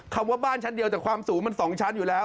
คำว่าบ้านชั้นเดียวแต่ความสูงมัน๒ชั้นอยู่แล้ว